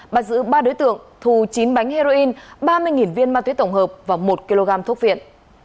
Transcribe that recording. bắt giữ ba đối tượng thu chín bánh heroin ba mươi viên ma túy tổng hợp và một kg thuốc viện